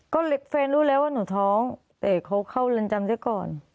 ก็แฟนรู้แล้วว่าหนูท้องแต่เขาเข้าเรือนจำซะก่อน